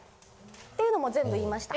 ていうのも全部言いました。